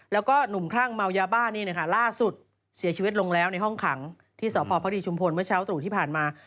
แล้วก็หนุ่มคลั่งเมายาบ้านี่นะคะล่าสุดเสียชีวิตลงแล้วในห้องขังที่สพพระดีชุมพลเมื่อเช้าตรู่ที่ผ่านมา